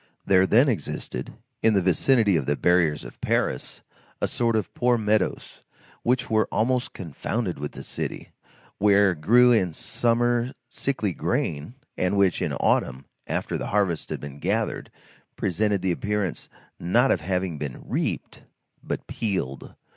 There then existed, in the vicinity of the barriers of Paris, a sort of poor meadows, which were almost confounded with the city, where grew in summer sickly grain, and which, in autumn, after the harvest had been gathered, presented the appearance, not of having been reaped, but peeled.